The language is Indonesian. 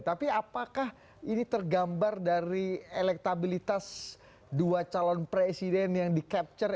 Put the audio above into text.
tapi apakah ini tergambar dari elektabilitas dua calon presiden yang di capture